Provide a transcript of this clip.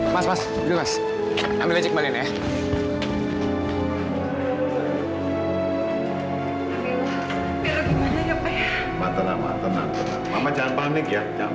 mamah jangan panik ya jangan panik